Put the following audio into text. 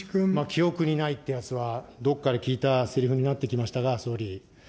記憶にないってやつは、どっかで聞いたせりふになってきましたが、総理。